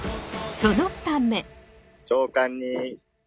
そのため。